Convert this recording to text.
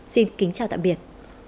xin kính chào tạm biệt